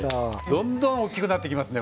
どんどん大きくなっていきますね。